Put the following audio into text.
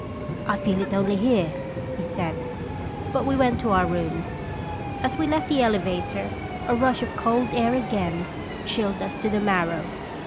" I feel it only here," he said; but we went to our rooms. As we left the elevator, a rush of cold air again chilled us to the marrow.